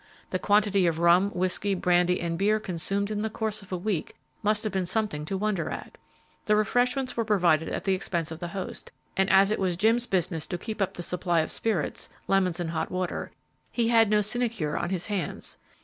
The quantity of rum, whisky, brandy and beer consumed in the course of a week must have been something to wonder at. The refreshments were provided at the expense of the host, and as it was Jim's business to keep up the supply of spirits, lemons and hot water, he had no sinecure on his hands.